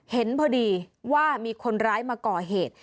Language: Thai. เห็นพอดีว่ามีคนร้ายมาก่อเหตุ